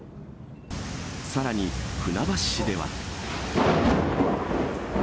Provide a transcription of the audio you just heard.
さらに、船橋市では。